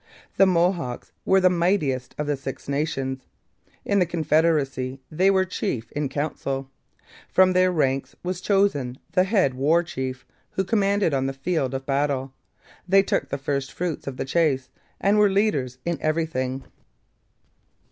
The Mohawks were the mightiest of the Six Nations; in the confederacy they were chief in council; from their ranks was chosen the head war chief, who commanded on the field of battle; they took the first fruits of the chase, and were leaders in everything.